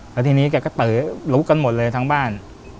แล้วทีนี้แกก็ตือลุกกันหมดเลยทั้งบ้าน